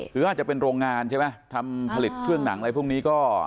คืออาจจะเป็นโรงงานใช่ไหมทำผลิตเครื่องหนังอะไรพวกนี้ก็